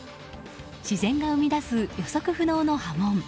自然が生み出す予測不能の波紋。